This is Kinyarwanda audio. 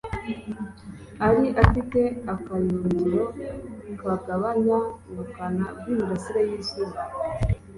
ari afite akayungiro kagabanya ubukana bw’imirasire y’izuba